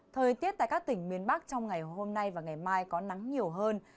thời tiết tại các tỉnh miền bắc trong ngày hôm nay và ngày mai có nắng nhiều hơn